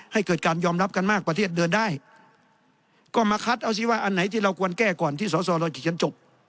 ให้เกิดการยอมรับกันมากประเทศเดินได้ก็มาคัดเอาสิว่าอันไหนที่เราควรแก้ก่อนที่สอสอเราจะเขียนจบ